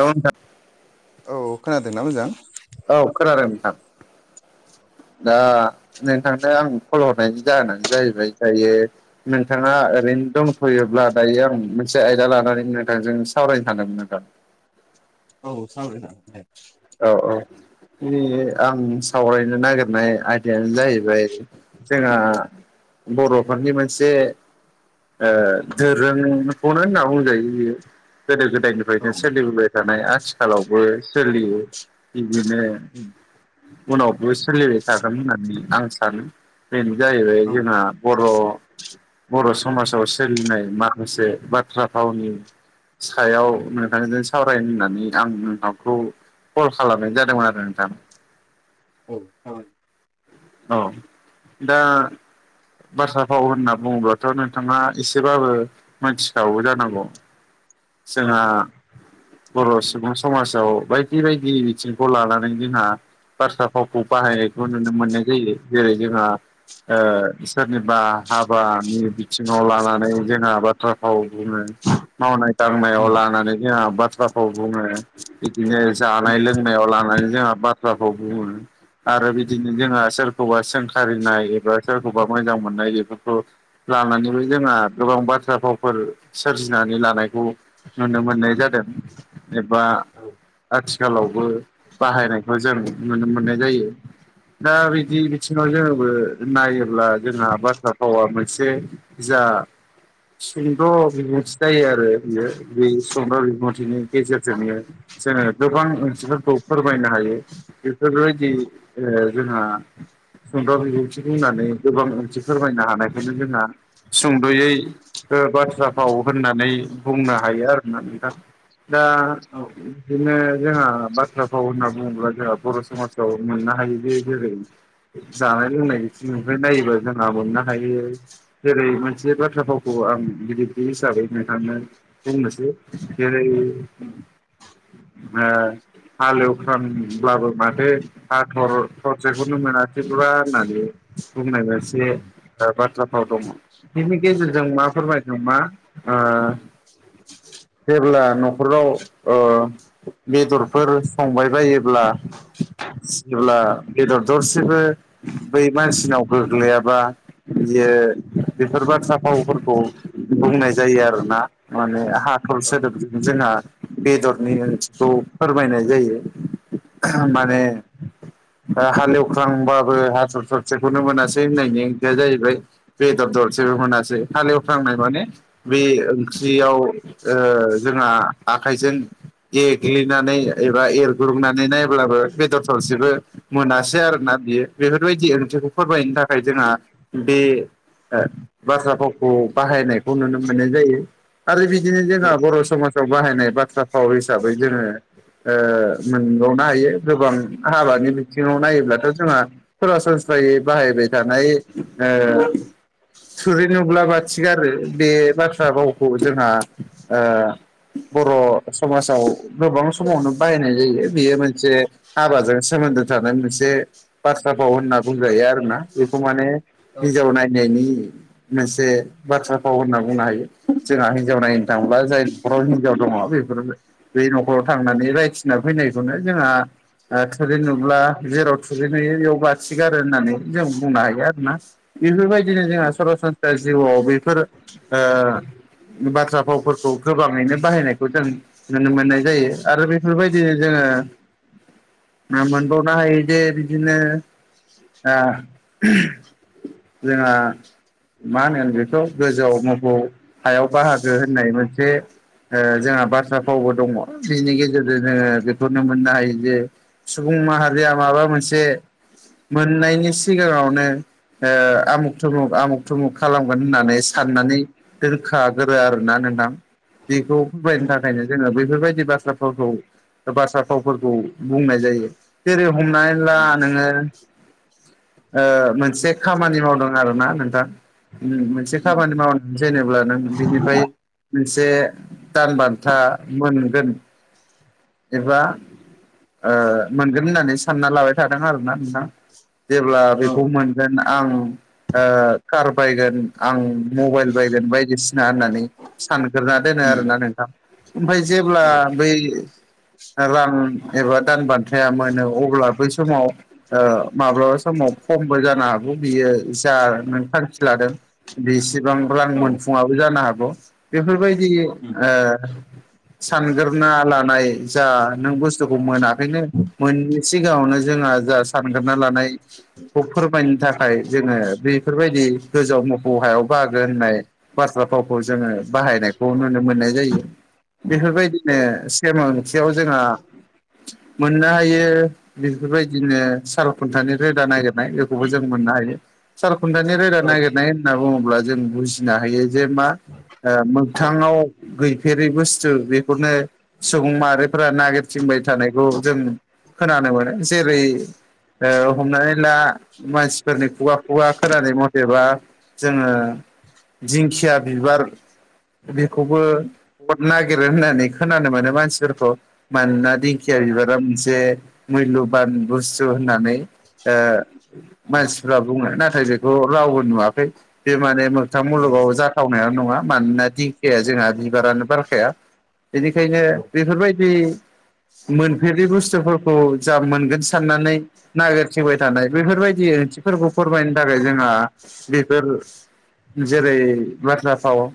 औ नोंथां औ खोनादोंना मोजां औ खोनादों नोंथां दा नोंथांनो आं खल हरनायनि जाहोनानो जाहैबाय दायो नोंथाङा ओरैनो दंथ'योब्ला दायो आं मोनसे आयदा लानानै नोंथांजों सावरायनो सानदोंमोन नोंथां औ सावरायनाय जागोन दे औ औ दिनै आं सावरायनो नागिरनाय आयदायानो जाहैबाय जोंहा बर'फोरनि मोनसे ओ दोरोंखौनो होनना बुंजायो बियो गोदो गोदायनि औ फ्रायनो सोलिबोबाय थानाय आथिखालावबो सोलियो बिदिनो उनावबो सोलिबाय थागोन होननानै आं सानो बेनो जाहैबाय जोंहा औ बर' बर' समाजाव सोलिनाय माखासे बाथ्रा फावनि सायाव नोंथांजों सावरायनो होननानै आं नोंथांखौ कल खालामनाय जादोंमोन आरो नोंथां औ औ औ दा बाथ्रा फाव होनना बुङोबाथ' नोंथाङा एसेबाबो मोनथिखागौ जानांगौ औ जोंहा बर' सुबुं समाजाव बायदि बायदि बिथिंखौ लानानै जोंहा बाथ्रा फावखौ बाहायनायखौ नुनो मोननाय जायो जेरै जोंहा ओ सोरनिबा हाबानि बिथिङाव लानानै जोंहा बाथ्राभाव बुङो। मावनाय दांनायाव उम लानानै जोंहा बाथ्रा भाव बुङो। बिदिनो उम जानाय लोंनायाव लानानै जोंहा बाथ्राखौ बुङो आरो बिदिनो जोंहा सोरखौबा सोंखारिनाय एबा सोरखौबा मोजां मोननाय बेफोरखौ लानानैबो जोंहा गोबां बाथ्रा फावफोर सोरजिनानै लानायखौ नुनो मोननाय जादों एबा औ आथिखालावबो बाहायनायखौ जों नुनो मोननाय जायो दा बि बिदि बिथिङाव जोङोबो नायोब्ला जोंहा बाथ्रा भावा मोनसे जा सुंद' बिबुंथि जायो आरो बियो बे सुंद' बिबुंथिनि गेजेरजोंनो जोङो गोबां ओनसोलफोरखौ फोरमायनो हायो बेफोरबायदि जोंहा सुंद' बिबुंथिखौ होननानै गोबां ओंथि फोरमायनो हानायखायनो जोंहा सुंद'यै बाथ्रा फाव होननानै बुंनो हायो आरोना नोंथां दा औ बिदिनो जोंहा बाथ्रा फाव होनना बुङोब्ला जोंहा बर' समाजाव मोननो हायो जे जेरै जानाय लोंनाय बिथिंनिफ्राय नायोबा जोंहा मोननो हायो जेरै मोनसे बाथ्रा फावखौ आं बिजिरगिरि हिसाबै नोंथांनो बुंनोसै जेरै ओ उम हालेवखानब्लाबो माथो हाथर थरसेखौनो मोनाख थ्रिपुरा होननानै बुंनाय मोनसे उम बाथ्राफोराव दङ। बिनि गेजेरजों मा फोरमायदों मा ओ जेब्ला न'खराव ओ बेदरफोर संबाय बायोब्ला जेब्ला बेदर दर सेबो बै मानसिनाव गोग्लैयाबा बियो बेफोर बाथ्रा फावफोरखौ बुंनाय जायो आरोना। माने हाथल औ सोदोबजों जोंहा बेदरनि ओंथिखौ फोरमायनाय जायो। औ माने हालेव ख्रांबाबो हाथर थरसेखौनो मोनासै होननायनि ओंथिया जाहैबाय बेदर दरसेबो मोनासै हालेवख्रांनाय माने बे ओंख्रियाव ओ जोंहा आखाइजों एग्लिनानै एबा एरग्रुंनानै नायब्लाबो बेदरफ्रावसेबो मोनासै आरो ना बियो बेफोरबायदि ओंथिखौ फोरमायनो थाखाय जोंहा बे बाथ्रा फावखौ बाहायनायखौ नुनो मोननाय जायो। आरो बिदिनो जोंहा औ बर' समाजाव बाहायनाय बाथ्रा फाव हिसाबै जोङो ओ मोनबावनो हायो गोबां हाबानि बिथिङाव नायोब्लाथ' जोंहा सरासनस्रायै बाहायबाय थानाय ओ थुरि नुब्ला बाथि गारो बे बाथ्रा रावखौ जोंहा ओ बर' समाजाव गोबां समावनो बाहायनाय जायो बेयो मोनसे हाबाजों सोमोन्दो थानाय मोनसे बाथ्रा फाव होनना बुंजायो आरोना बेखौ माने औ हिनजाव नायनायनि मेसे बाथ्रा फाव होनना बुंनो हायो जोंहा हिनजाव नायनो थाङोब्ला जाय न'खराव हिनजाव दङ बेफोर बे न'खराव थांनानै रायथिना फैनायखौनो जोंहा थुरि नुब्ला जेराव थुरै नुयो बेयाव बाथि गारो होननानै जों बुंनो हायो आरोना बेफोरबायदिनो औ जोंहा सरासन दा जिउआव बेफोर ओ बाथ्रा फावफोरखौ गोबाङैनो बाहायनायखौ जों नुनो मोननाय जायो आरो बेफोरबायदि जोङो मा मोनबावनो हायोदे बिदिनो जोंहा मा होनो बेखौ गोजौआव मोफौ हायाव बाहागो होननाय मोनसे ओ जोंहा बाथ्रा फावबो दङ बिनि गेजेरजों जोङो बेखौनो मोननो हायो जे सुबुं माहारिया माबा मोनसे मोननायनि सिगाङावनो आमुख थुमुग आमुग दुथुमु खालामगोन होननानै साननानै दोनखागोरो आरोना नोंथां बेखौ [unintelligible] उम जोङो बैफोरबायदि बाथ्रा भावखौ बाथ्रा फावफोरखौ बुंनाय जायो जेरै हमनानै ब्ला उम नोङो ओ मोनसे खामानि मावदों आरोना नोंथां। मोनसे उम खामानि मावनानै जेनेब्ला नों बिनिफाय मोनसे दान बान्था मोनगोन। एबा ओ मोनगोन होननानै सानना लाबाय थादों आरोना नोंथां। जेब्ला औ बेखौ मोनगोन आं ओ कार बायगोन आं मबाइल बायगोन बायदिसिना होननानै सानग्रोना दोनो उम आरोना नोंथां ओमफाय जेब्ला बै रां एबा दान बान्थाया मोनो अब्ला बै समाव माब्लाबा समाव खमबो जानो हागौ बियो जा नों थांखि लादों बेसेबां आं औ मोनफुंआव जानो हागौ बेफोरबायदि उम सानग्रोना लानाय जा नों बुस्थुखौ मोनाखैनो मोनै सिगाङावनो जोंहा जा सानग्रोना लानाय खौ फोरमायनो थाखाय जोङो बेफोरबायदि गोजौ आव मोफौ हायाव बाहागो होननाय बाथ्रा फावखौ जोङो बाहायनायखौ नुनो मोननाय जायो बेफोरबायदिनो औ सेम ओंथियाव जोंहा मोननो हायो बेफोरबायदिनो साल खुन्थानि रोदा नागिरनाय बेखौबो जों मोननो हायो साल खुन्थानि रोदा औ उम औ उम नागिरनाय होनना बुङोब्ला जों बुजिनो हायो जे मा ओ मोगथाङाव गैफेरै बुस्थु बेखौनो सुबुं मा फोरा नागिरथिंबाय थानायखौ जों खोनानो मोनो जेरै हमनानै ला मानसिफोरनि खुगा खुगा खोनानाय मथेबा जोङो दिंखिया बिबार बेखौबो हरनो नागिरो होननानै खोनानो मोनो मानसिफोरखौ मानोना दिंखिया औ बिबारा मोनसे मुल्यबान बुस्थु होननानै उम मानसिफ्रा बुङो नाथाय बेखौ रावबो नुवाखै बे माने मोगथां मुलुगाव जाथावनाया नङा मानोना दिंखियाया जोंहा बिबारानो बारखाया बेनिखायनो बेफोरबायदि मोनफेरै बुस्थुफोरखौ जा मोनगोन साननानै नागिरथिंबाय थानाय बेफोरबायदि ओंथिफोरखौ फोरमायनो थाखाय जोंहा बेफोर जेरै बाथ्रा फाव ओ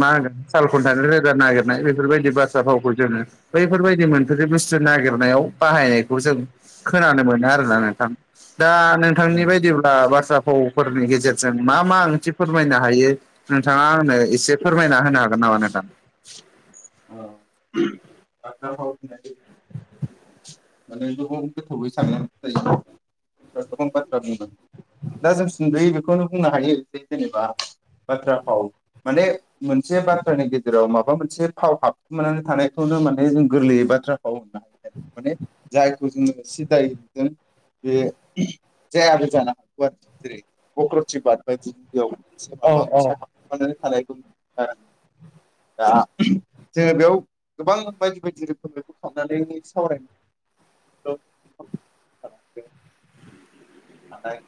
मा होनगोन साल खुन्थानि रोदा नागिरनाय बेफोरबायदि बा थ्रा फावखौ जोङो बैफोरबायदि मोनफोरै बुस्थु नागिरनायाव बाहायनायखौ जों खोनानो मोनो आरोना नोंथां दा नोंथांनि उम ओ बायदिब्ला बाथ्रा फावफोरनि गेजेरजों मा मा ओंथि फोरमायनो हायो नोंथाङा आंनो एसे फोरमायना होनो हागोन नामा नोंथां औ माने गोबां गोथावै सानानो गोबां बाथ्रा बुंदों दा जों सुद'यै बेखौनो बुंनो हायो जे जेनेबा बाथ्रा फाव माने मोनसे बाथ्रानि गेजेराव माबा मोनसे फाव हाबखुमनानै थानायखौनो माने जों गोरलैयै बाथ्रा फाव होननो हायो माने जायखौ जोङो सिदायै बे जायाबो जानो हागौ जेरै कक्रति बाद बायदि बेयाव एसे औ माबा औ मोनसे हाबखुमानानै थानायखौ दा जोङो बेयाव गोबां बायदि बायदि रोखोम बेखौ हाबनानै सावरायनो [inaudible] हानाय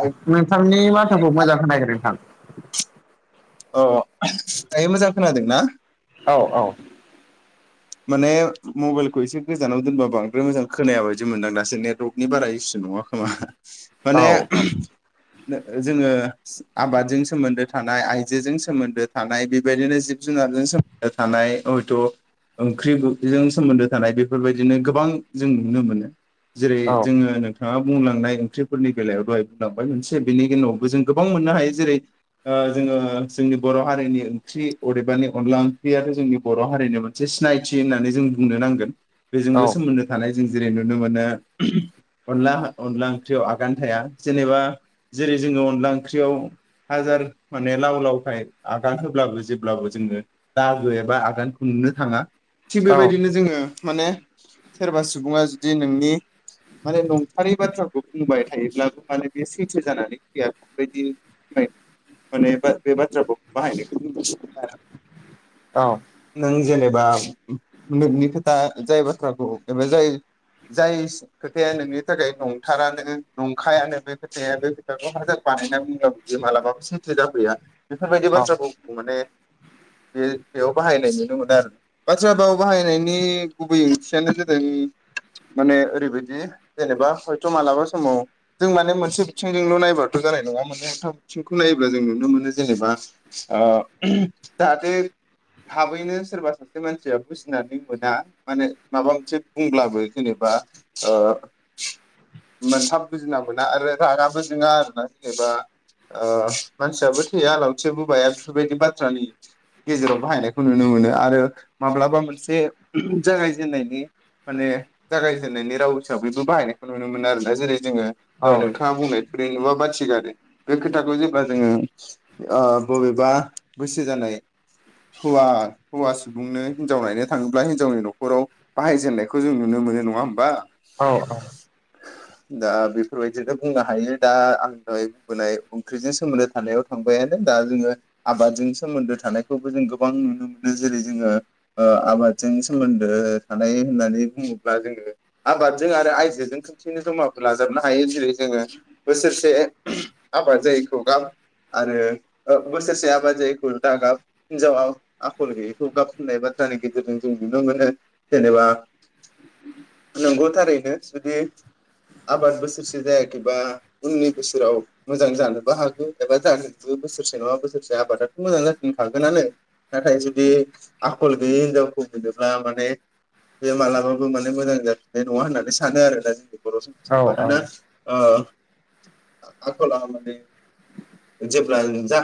आइ नोंथांनि बाथ्राखौ मोजां खोनायाखै नोंथां। अ दायो मोजां खोनादों ना? औ औ माने मबाइलखौ एसे गोजानाव दोनबा बांद्राय मोजां खोनाया बायदि मोनदां दासो नेटवर्क नि बारा इसु नङा खोमा औ माने जोङो आबादजों सोमोन्दो थानाय आइजोजों सोमोन्दो थानाय बेबायदिनो जिब जुनारजों सोमोनदो थानाय हयथ' ओंख्रिजों सोमोन्दो थानाय बेफोरबायदिनो गोबां जों नुनो मोनो जेरै औ जोङो नोंथां नोंथाङा बुंलांनाय ओंख्रिफोरनि बेलायाव दहाय बुंलांबाय मोनसे बेनि उनावबो जों गोबां मोननो हायो जेरै जोङो जोंनि बर' हारिनि ओंख्रि अदेबानि अनला ओंख्रियाथ' जोंनि बर' हारिनिमोन मोनसे सिनायथि होननानै जों बुंनो नांगोन औ बेजोंबो सोमोन्दो थानाय जों जेरै नुनो मोनो अनला अनला ओंख्रियाव आगान थाया जेनेबा जेरै जोङो अनला ओंख्रियाव हाजार माने लाव लावखाय आगान होब्लाबो जेब्लाबो जोङो दागो एबा आगानखौ नुनो थाङा थिग औ बेबायदिनो जोङो माने सोरबा सुबुङा जुदि नोंनि माने नंफारै बाथ्राखौ बुंबाय थायोब्लाबो माने बे सैथो जानानै फैया बेैबायदि माने बे बाथ्राखौ बाहायनो। औ नों जेनेबा नोंनि खोथा जाय बाथ्राखौ एबा जाय जायस खोथाया नोंनि थाखाय नंथारानो नंखायानो बे खोथाया बे खोथाखौ हाजार बानायना बुंब्लाबो बे मालाबाबो‌ सैथो जाफैया। बेफोरबायदि बाथ्राखौ माने बे बेयाव बाहायनाय नुनो मोनो आरो ना। बाथ्रा फाव बाहायनायनि गुबै ओंथियानो जादों। माने ओरैबायदि जेनेबा हयथ' मालाबा समाव जों माने मोनसे बिथिंजोंल' नायबाथ' जानाय नङा माननै मोनथाम बिथिंखौ नायोब्ला जों नुनो मोनो जेनेबा ओ जाहाथे थाबैनो सोरबा सासे मानसिया बुजिनानै मोना माने माबा मोनसे बुंब्लाबो जेनेबा ओ मोनथाम बुजिना मोना आरो रागाबो जोङा आरोना जेनेबा ओ मानसियाबो थैया लावथियाबो बाया बेफोरबायदि बाथ्रानि गेजेराव बाहायनायखौ नुनो मोनो आरो माब्लाबा मोनसे जागायजेननायनि माने जागायजेननायनि राव हिसाबैबो बाहायनायखौ नुनो मोनो आरोना जेरै जोङो नोंथाङा बुंनाय थुरि नुबा बाथि गारो बे खोथाखौ जेब्ला जोङो ओ बबेबा बैसो जानाय हौवा हौवा सुबुंनो हिनजाव नायनो थाङोब्ला हिनजावनि न'खराव बाहायजेननायखौ जों नुनो मोनो नङा होमबा। औ औ दा बेफोरबायदिनो बुंनो हायो दा आं दहाय बुंबोनाय ओंख्रिजों सोमोन्दो थानायाव थांबायानो दा जोङो आबादजों सोमोन्दो थानायखौबो जों गोबां नुनो मोनो जेरै जोङो ओ आबादजों सोमोन्दो थानाय होननानै बुङोब्ला जोङो आबादजों आरो आयजोजों खोनसेैनो जमाखौ लाजाबनो हायो जेरै जोङो बोसोरसे आबाद जायोैखौ गाब आरो बोसोरसे आबाद जायिखौ दागाब हिनजावा आखल गैयि खौ गाब होननाय बाथ्रानि गेजेरजों जों नुनो मोनो जेनेबा नंगौ थारैनो जुदि आबाद बोसोरसे जायाखैबा उननि बोसोराव मोजां जानोबो हागौ एबा जानोबो बोसोरसे नङा बोसोरसे आबादाथ' मोजां जाफिनखागोनानो नाथाय जुदि आखल गैयै हिनजावखौ मोनोब्ला माने बे मालाबाबो माने मोजां जाफिननाय नङा होननानै सानो आरोना जोंनि बर' समाजाव मानोना ओ आखला जेब्ला जा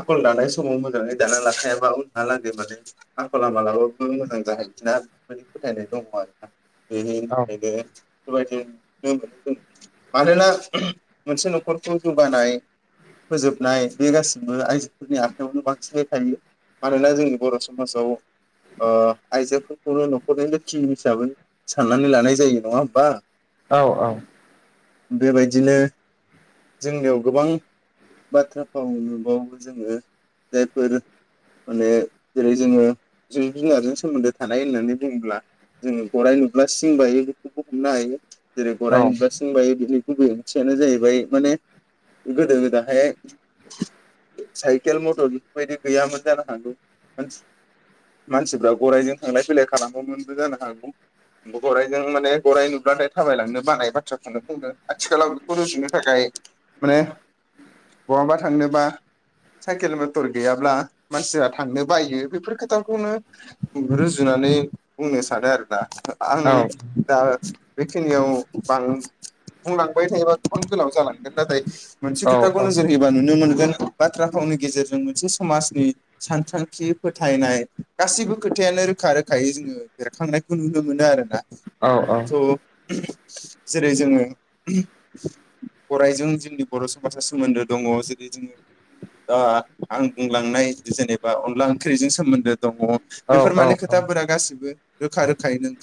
आखल दानाय समाव मोजाङै दाना लाखायाबा उनहालागै माने आखला मालाबाबो मोजां जाहैफिना माने फोथायनाय दङ' आरो। बे औ नैबे बेबायदि मोनो जों मानोना मोनसे न'खरखौ जौगानाय फोजोबनाय बे गासिबो आइजोफोरनि आखायावनो बांसिनै थायो मानोना जोंनि बर' समाजाव ओ आइजोफोरखौनो न'खरनि लोखि हिसाबै साननानै लानाय जायो नङा होमबा। औ औ बेबायदिनो जोंनियाव गोबां बाथ्रा फाव नुबावो जोङो जायफोर माने जेरै जोङो जिब जुनारजों सोमोन्दो थानाय होननानै बुङोब्ला जोङो गराइ नुब्ला सिं बायो बेखौबो हमनो हायो जेरै औ गराइ नुब्ला सिं बायो बिनि गुबै ओंथियानो जाहैबाय माने गोदो गोदाहाय साइकेल मटर बैफोरबायदि गैयामोन जानो हागौ। मानसिफ्रा गरायजों थांलाय फैलाय खालामोमोनबो जानो हागौ। गराइजों माने गराइ नुब्लाथाय थाबायलांनो बानाय बाथ्राखौनो बुंदों आथिखालाव बेखौ रुजुनो थाखाय माने बहाबा थांनोबा साइकेल मथर गैयाब्ला मानसिया थांनो बायो बेफोर खोथाखौनो रुजुनानै बुंनो सानो आरोना। आं औ दा बेखिनियाव बां बुंलांबाय थायोबाथ' गोलाव जालांगोन नाथाय मोनसे खोथाखौ नोजोर होयोबा नुनो मोनगोन बाथ्रा फावनि गेजेरजों मोनसे समाजनि सानथां खि फोथायनाय गासैबो खोथायानो रोखा रोखायै जोङो बेरखांनायखौ नुनो मोनो आरोना। औ थ' जेरै जोङो गरायजों जोंनि बर' समाजा सोमोन्दो दङ जेरै जोङो दा आं बुंलांनाय जेनेबा अन ला ओंख्रिजों सोमोन्दो दङ' औ बेफोर औ माने औ खोथाफोरा गासिबो रोखा रोखायैनो